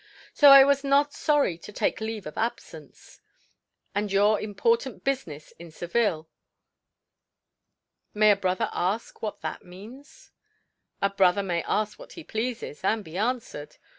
So I was not sorry to take leave of absence." "And your important business in Seville. May a brother ask what that means?" "A brother may ask what he pleases, and be answered.